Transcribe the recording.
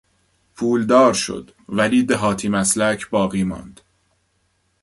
پولدار شد ولی دهاتی مسلک باقی ماند.